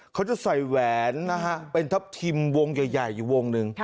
เขาจะใส่แหวนนะฮะเป็นทัพทิมวงใหญ่อยู่วงหนึ่ง